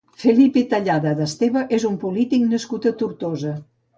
Felipe Tallada de Esteve és un polític nascut a Tortosa.